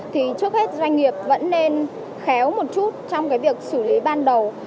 thì trước hết doanh nghiệp vẫn nên khéo một chút trong cái việc xử lý ban đầu